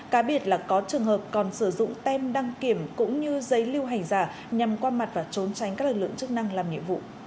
cá biệt là có trường hợp còn sử dụng tem đăng kiểm cũng như giấy lưu hành giả nhằm qua mặt và trốn tránh các lực lượng chức năng làm nhiệm vụ